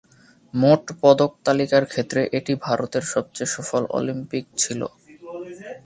মোট পদক তালিকার ক্ষেত্রে এটি ভারতের সবচেয়ে সফল অলিম্পিক ছিল।